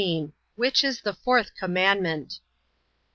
Which is the fourth commandment?